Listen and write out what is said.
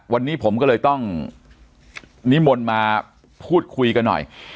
วันนี้ผมก็เลยต้องนิมนต์มาพูดคุยกันหน่อย